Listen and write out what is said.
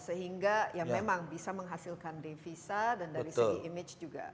sehingga ya memang bisa menghasilkan devisa dan dari segi image juga